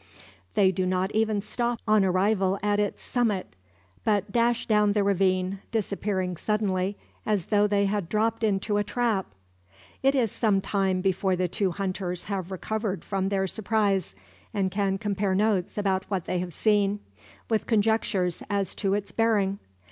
They do not even stop on arrival at its summit; but dash down the ravine, disappearing suddenly as though they had dropped into a trap! It is some time before the two hunters have recovered from their surprise, and can compare notes about what they have seen, with conjectures as to its bearing.